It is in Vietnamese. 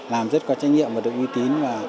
làm rất có trách nhiệm và được uy tín